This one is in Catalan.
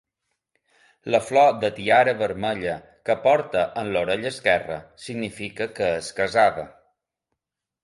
La flor de tiara vermella que porta en l'orella esquerra significa que és casada.